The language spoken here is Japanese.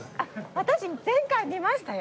私前回見ましたよ！